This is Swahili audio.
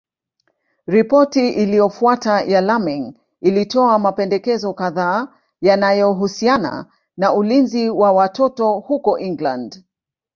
Ripoti iliyofuata ya Laming ilitoa mapendekezo kadhaa yanayohusiana na ulinzi wa watoto huko England.